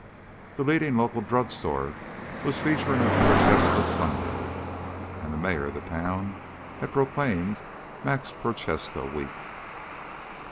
The leading local drugstore was featuring a Prochaska sundae and the Mayor of the town had proclaimed MAX PROCHASKA week.